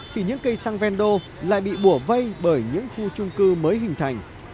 thì những cây xăng ven đô lại bị bủa vây bởi những khu chung cư mới hình thành